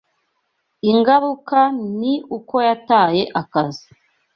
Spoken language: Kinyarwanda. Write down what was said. Ingaruka ni uko yataye akazi.